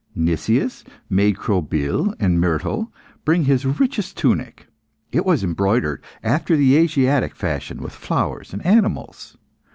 Nicias made Crobyle and Myrtale bring his richest tunic; it was embroidered, after the Asiatic fashion, with flowers and animals.